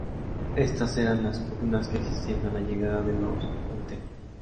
Estas eran las pugnas que existían a la llegada de los Montejo.